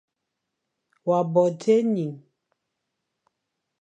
Wa bo dzé ening.